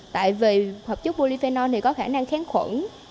thì hợp chất polyphenol thì có khả năng kháng khuẩn